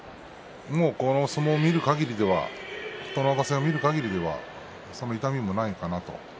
この相撲を見るかぎり琴ノ若戦を見るかぎりその痛みもないかなと。